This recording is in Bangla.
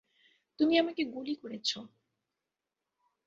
তুমি আমাকে গুলি করেছো!